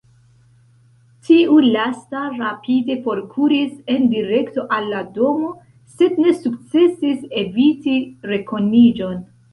Tiu lasta rapide forkuris en direkto al la domo, sed ne sukcesis eviti rekoniĝon.